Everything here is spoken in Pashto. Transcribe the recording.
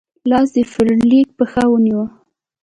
لاس د فلیریک پښه ونیوه.